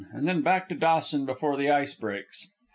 And then back to Dawson before the ice breaks."